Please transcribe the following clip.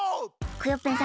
クヨッペン